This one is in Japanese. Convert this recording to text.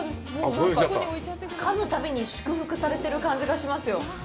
なんか、かむたびに祝福されている感じがしますよ。